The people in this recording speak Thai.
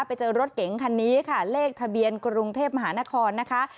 ไปเจอรถเก๋งคันนี้ค่ะเลขทะเบียนกรุงเทพมหานครนะคะ